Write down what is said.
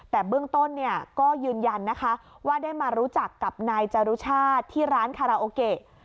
แต่เบื้องต้นเนี่ยก็ยืนยันนะคะว่าได้มารู้จักกับนายจารุชาติที่ร้านคาราโอเกะ